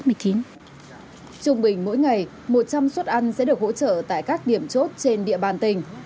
trung bình mỗi ngày một trăm linh suất ăn sẽ được hỗ trợ tại các điểm chốt trên địa bàn tỉnh